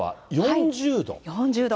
４０度。